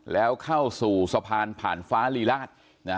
แล้วเข้าสู่สะพานผ่านฟ้าลีราช